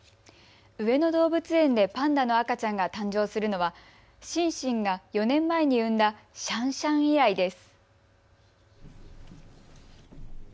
上野動物園でパンダの赤ちゃんが誕生するのはシンシンが４年前に産んだシャンシャン以来です。